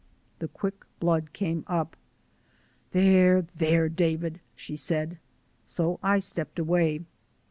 The quick blood came up. "There there David!" she said. So I stepped away.